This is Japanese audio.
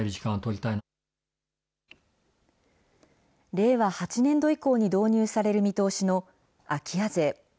令和８年度以降に導入される見通しの空き家税。